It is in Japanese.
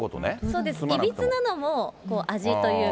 そうです、いびつなのも味というか。